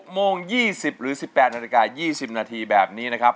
โมง๒๐หรือ๑๘นาฬิกา๒๐นาทีแบบนี้นะครับ